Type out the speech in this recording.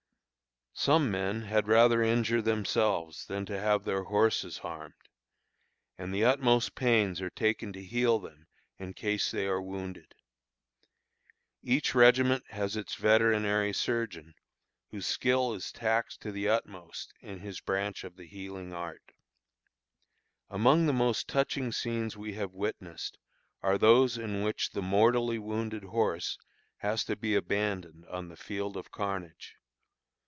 Some men had rather injure themselves than have their horses harmed, and the utmost pains are taken to heal them in case they are wounded. Each regiment has its veterinary surgeon, whose skill is taxed to the utmost in his branch of the healing art. Among the most touching scenes we have witnessed, are those in which the mortally wounded horse has to be abandoned on the field of carnage.